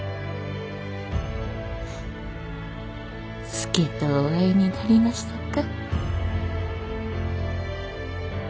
佐とお会いになれましたか？